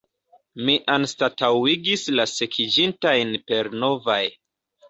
Mi anstataŭigis la sekiĝintajn per novaj.